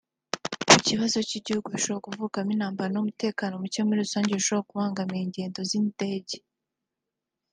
Ku kibazo cy’ibihugu bishobora kuvukamo intambara n’umutekano muke muri rusange bishobora kubangamira ingendo z’indege